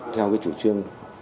theo cái chủ trương